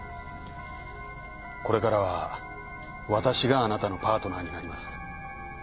これからは私があなたのパートナーになります。